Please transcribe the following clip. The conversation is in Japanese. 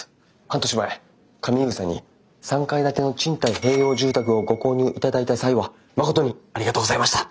半年前上井草に３階建ての賃貸併用住宅をご購入いただいた際はまことにありがとうございました。